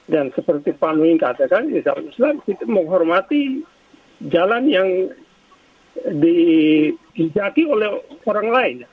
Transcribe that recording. dan seperti pak nuin katakan islam menghormati jalan yang dihijaki oleh orang lain